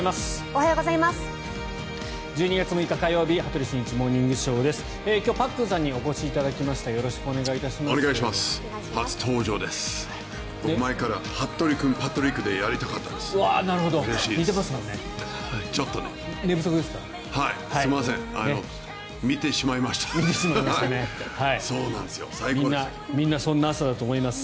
前から羽鳥君、パックン君でやりたかったです。